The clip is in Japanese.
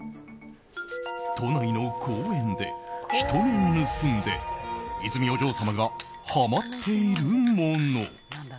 都内の公園で人目を盗んで泉お嬢様がハマっているもの。